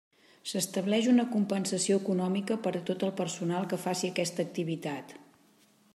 S'estableix una compensació econòmica per a tot el personal que faci aquesta activitat.